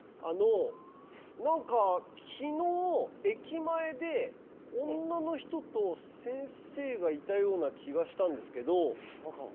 あの何か昨日駅前で女の人と先生がいたような気がしたんですけど。